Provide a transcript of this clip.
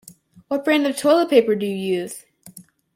What brand of toilet paper do you use?